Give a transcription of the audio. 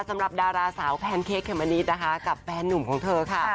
สำหรับดาราสาวแพนเค้กเมมะนิดนะคะกับแฟนหนุ่มของเธอค่ะ